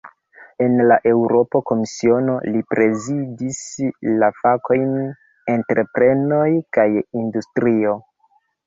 En la Eŭropa Komisiono, li prezidis la fakojn "entreprenoj kaj industrio".